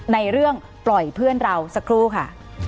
ในเรื่องปล่อยเพื่อนเราสักครู่ค่ะ